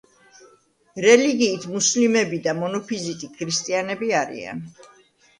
რელიგიით მუსლიმები და მონოფიზიტი ქრისტიანები არიან.